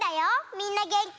みんなげんき？